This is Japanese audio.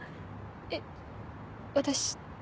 えっ私と？